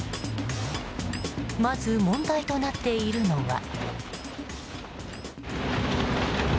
まず問題となっているのは。